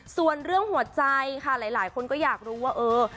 ส่วนเรื่องหัวใจค่ะหลายคนก็อยากรู้ว่าเออ